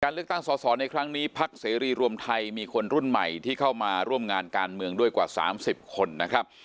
เลือกตั้งสอสอในครั้งนี้พักเสรีรวมไทยมีคนรุ่นใหม่ที่เข้ามาร่วมงานการเมืองด้วยกว่า๓๐คนนะครับ